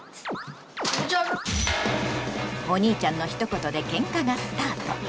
お兄ちゃんのひと言でケンカがスタート。